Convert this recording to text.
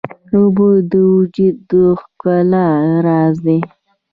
اوبه د وجود د ښکلا راز دي.